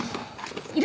いる？